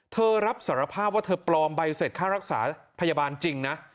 เธอรับสารภาพว่าเธอปลอมใบเสร็จค่ารักษาพยาบาลจริงนะ